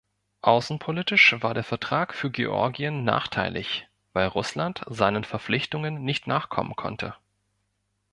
Außenpolitisch war der Vertrag für Georgien nachteilig, weil Russland seinen Verpflichtungen nicht nachkommen konnte.